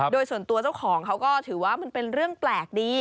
โดยส่วนตัวเจ้าของเขาก็ถือว่ามันเป็นเรื่องแปลกดี